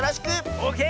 オーケー！